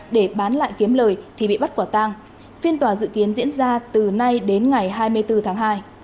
để bán lại kiếm lời thì bị bắt quả tang phiên tòa dự kiến diễn ra từ nay đến ngày hai mươi bốn tháng hai